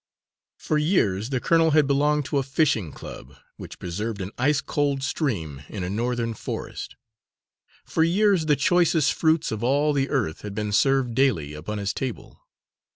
For years the colonel had belonged to a fishing club, which preserved an ice cold stream in a Northern forest. For years the choicest fruits of all the earth had been served daily upon his table.